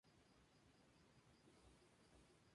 Sector Santa Rosa, Área de Conservación Guanacaste|